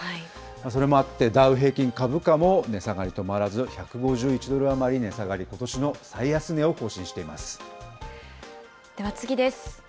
それもあって、ダウ平均株価も値下がり止まらず、１５１ドル余り値下がり、ことしの最安値を更新では次です。